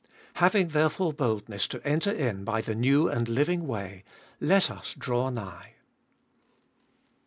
Having therefore boldness, to enter in by the new and living way, let us draw nigh.